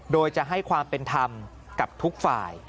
โดยจะให้ความเป็นธรรมกับทุกฝ่าย